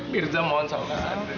mirza mohon salam ke andri